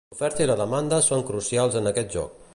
L'oferta i la demanda són crucials en aquest joc.